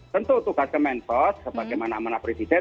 tentu tugas kementerian pertama pertama sebagai mana mana presiden